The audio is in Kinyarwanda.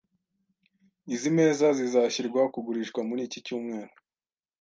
Izi meza zizashyirwa kugurishwa muri iki cyumweru.